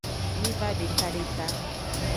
Miva deka deka.